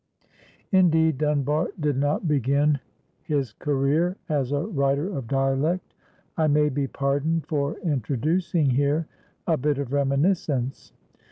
Indeed, Dunbar did not begin his career as a writer of dialect. I may be pardoned for introducing here a bit of reminiscence.